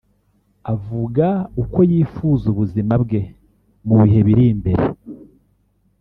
Avuga uko yifuza ubuzima bwe mu bihe biri imbere